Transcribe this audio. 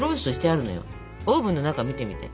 オーブンの中見てみて。